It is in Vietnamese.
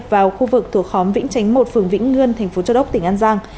vào khu vực thuộc khóm vĩnh chánh một phường vĩnh ngươn thành phố châu đốc tỉnh an giang